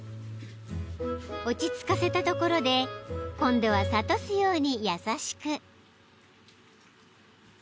［落ち着かせたところで今度は諭すように優しく］